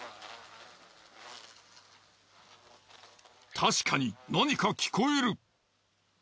確かに何か聞こえる。